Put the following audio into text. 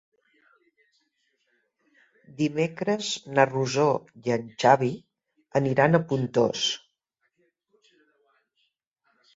Dimecres na Rosó i en Xavi aniran a Pontós.